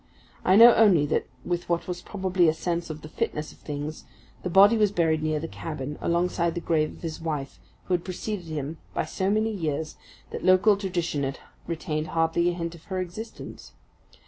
I know only that with what was probably a sense of the fitness of things the body was buried near the cabin, alongside the grave of his wife, who had preceded him by so many years that local tradition had retained hardly a hint of her existence.